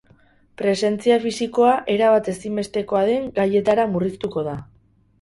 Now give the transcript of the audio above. Presentzia fisikoa erabat ezinbestekoa den gaietara murriztuko da.